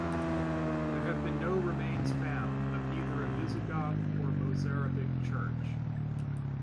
There have been no remains found of either a Visigoth or a Mozarabic church.